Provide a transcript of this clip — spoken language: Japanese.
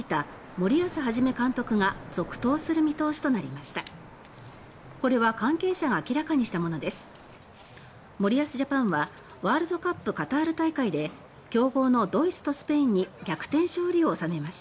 森保ジャパンはワールドカップカタール大会で強豪のドイツとスペインに逆転勝利を収めました。